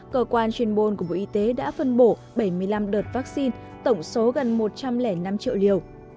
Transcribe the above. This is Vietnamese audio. cơ quan chuyên môn của bộ y tế đã phân bổ bảy mươi năm đợt vaccine tổng số gần một trăm linh năm triệu liều